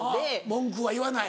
文句は言わない。